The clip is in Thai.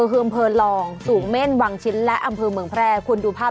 คืออำเภอลองสูงเม่นวังชิ้นและอำเภอเมืองแพร่คุณดูภาพ